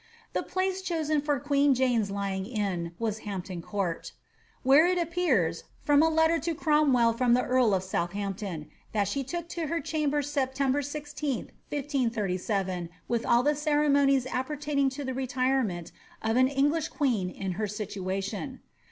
The place chosen for queen Jane's lying in was Hampton Court, where it appears, from a letter to Cromwell from the earl of Southamp ton, that she took to her chamber September 16, 1537, with all the ceremonies appertaining to the retirement of an English queen in hei situation.'